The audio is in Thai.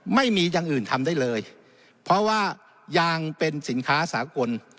ไม่มีอย่างอื่นทำได้เลยเพราะว่ายางเป็นสินค้าสากล